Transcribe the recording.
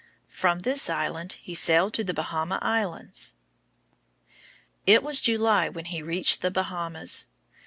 From this island he sailed to the Bahama Islands. It was July when he reached the Bahamas.